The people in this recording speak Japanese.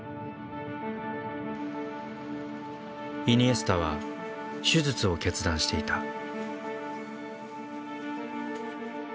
イニエスタは手術を決断していた。